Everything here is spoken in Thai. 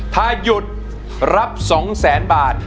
ถ้าหยุดรับ๒แสนบาท